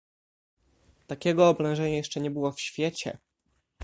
"Takiego oblężenia jeszcze nie było w świecie!"